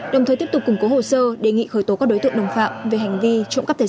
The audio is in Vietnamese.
đồng thời tiếp tục củng cố hồ sơ đề nghị khởi tố các đối tượng đồng phạm về hành vi trộm cắp tài sản